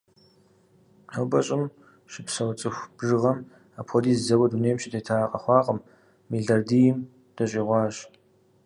Нобэ Щӏым щыпсэу цӏыху бжыгъэм хуэдиз зэуэ дунейм щытета къэхъуакъым – мелардийм дыщӏигъуащ.